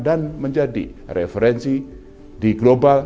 dan menjadi referensi di global